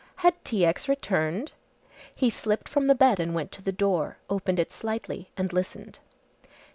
Had T. X. returned! He slipped from the bed and went to the door, opened it slightly and listened.